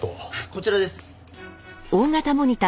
こちらです。